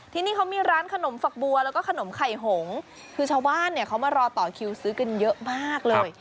ที่นี่เขามีร้านขนมฝักบัวแล้วก็ขนมไข่หงคือชาวบ้านเนี่ยเขามารอต่อคิวซื้อกันเยอะมากเลย